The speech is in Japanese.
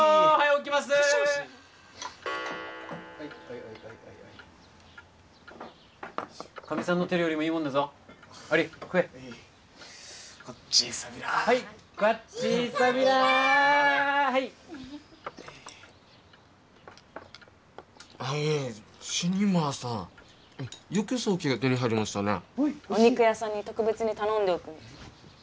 お肉屋さんに特別に頼んでおくの。